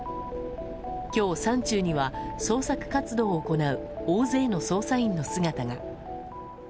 今日、山中には捜索活動を行う大勢の捜査員の姿が。